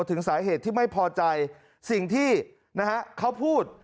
ถึงสาเหตุที่ไม่พอใจสิ่งที่นะฮะเขาพูด